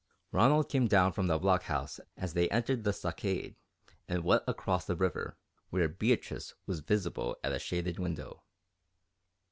Ronald came down from the blockhouse as they entered the stockade and went across the river, where Beatrice was visible at a shaded window.